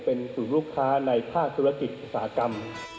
เป็นกลุ่มลูกค้าในภาคศุรกิจศาสตร์กรรม